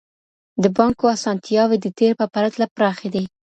د بانکو اسانتياوې د تېر په پرتله پراخي دي.